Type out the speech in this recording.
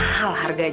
kalau hari ini